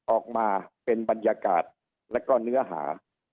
ออกมาเป็นบรรยากาศและก็เนื้อหา